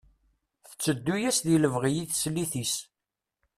Tteddu-yas di lebɣi i teslit-is.